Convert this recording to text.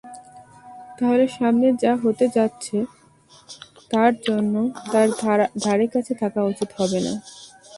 তাহলে সামনে যা হতে যাচ্ছে তার জন্য তার ধারেকাছে থাকা উচিত হবে না।